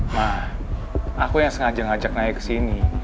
ma aku yang sengaja ngajak naya kesini